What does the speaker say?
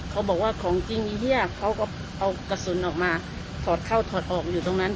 เขาบอกว่าของจริงอีเยี้ยเขาก็เอากระสุนออกมาถอดเข้าถอดออกอยู่ตรงนั้น